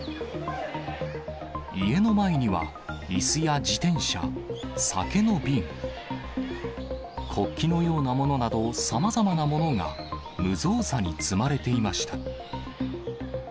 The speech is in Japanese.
家の前にはいすや自転車、酒の瓶、国旗のようなものなどさまざまなものが無造作に積まれていました。